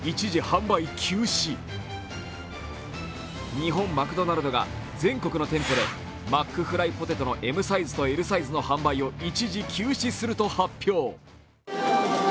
日本マクドナルドが全国の店舗でマックフライポテトのＭサイズとＬサイズの販売を一時休止すると発表。